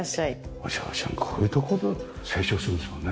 お嬢ちゃんこういうところで成長するんですもんね。